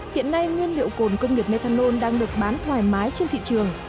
hiện nay nguyên liệu cồn công nghiệp methanol đang được bán thoải mái trên thị trường